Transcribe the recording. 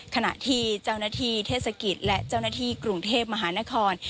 ขณะที่เจ้าหน้าที่เทศกิจและเจ้าหน้าที่กรุงเทพมหานคร